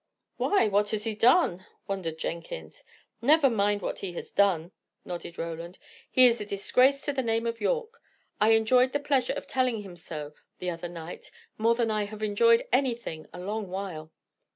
"Why, what has he done?" wondered Jenkins. "Never mind what he has done," nodded Roland. "He is a disgrace to the name of Yorke. I enjoyed the pleasure of telling him so, the other night, more than I have enjoyed anything a long while.